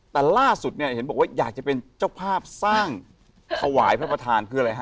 แต่ล่าสุดเนี่ยเห็นบอกว่าอยากจะเป็นเจ้าภาพสร้างถวายพระประธานคืออะไรฮะ